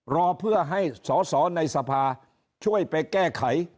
รอเพื่อให้สอสอในสภาช่วยไปแก้ไข